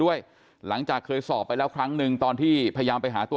ด้วยหลังจากเคยสอบไปแล้วครั้งหนึ่งตอนที่พยายามไปหาตัว